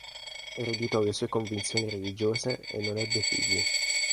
Ereditò le sue convinzioni religiose e non ebbe figli.